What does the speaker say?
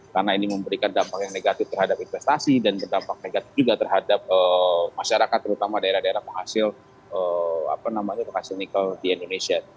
karena ini memberikan dampak yang negatif terhadap investasi dan berdampak negatif juga terhadap masyarakat terutama daerah daerah penghasil apa namanya penghasil nikel di indonesia